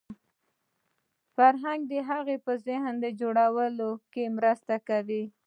فرهنګ د هغه په ذهن جوړولو کې مرسته کوي